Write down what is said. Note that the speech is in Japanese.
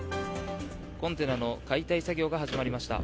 コンテナの解体作業が始まりました。